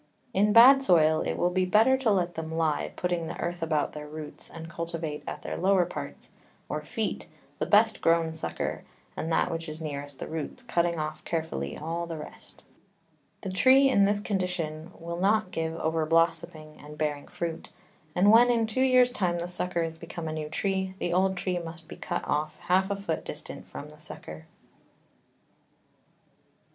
In bad Soil, it will be better to let them lie, putting the Earth about the Roots, and cultivate at their lower Parts, or Feet, the best grown Sucker, and that which is nearest the Roots, cutting off carefully all the rest: The Tree in this Condition will not give over blossoming and bearing Fruit; and when in two Years time the Sucker is become a new Tree, the old Tree must be cut off half a Foot distant from the Sucker.